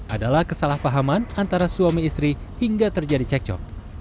adalah kesalahpahaman antara suami istri hingga terjadi cekcok